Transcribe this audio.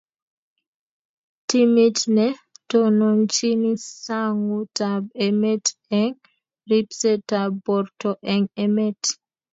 timit ne tononchini sang'utab emet eng' ribsetab borto eng' emet.